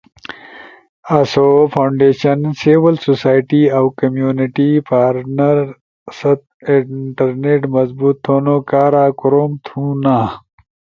آسو فاونڈیشن، سیول سوسائٹی اؤ کمیونٹی پارٹنر ست انٹرنیٹ مضبوط تھونو کارا کوروم تھونا،